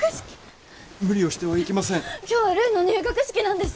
今日はるいの入学式なんです。